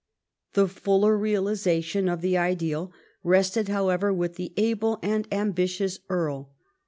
The fuller realisation of the ideal rested, however, with the able and ambitious Earl.